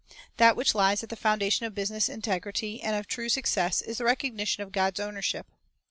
That which lies at the foundation of business integ rity and of true success is the recognition of God's ownership.